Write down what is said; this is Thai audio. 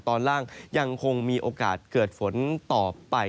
ตอนล่างยังคงมีโอกาสเกิดฝนต่อไป